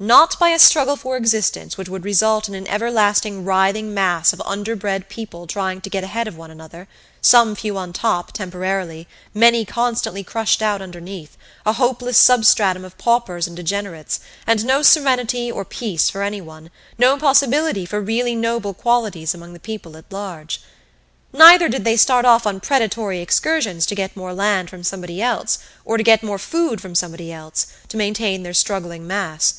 Not by a "struggle for existence" which would result in an everlasting writhing mass of underbred people trying to get ahead of one another some few on top, temporarily, many constantly crushed out underneath, a hopeless substratum of paupers and degenerates, and no serenity or peace for anyone, no possibility for really noble qualities among the people at large. Neither did they start off on predatory excursions to get more land from somebody else, or to get more food from somebody else, to maintain their struggling mass.